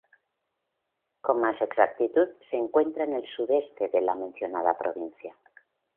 Con más exactitud, se encuentra en el sudeste de la mencionada provincia.